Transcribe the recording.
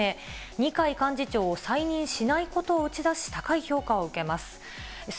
二階幹事長を再任しないことを打ち出し、高い評価を受けます。